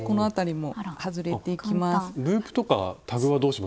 ループとかタグはどうしましょう？